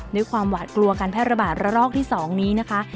ด้วยความหวาดกลัวการแพร่ระบาดระลอกที่๒นี้นะคะ